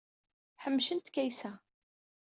Ḥemcent Kaysa.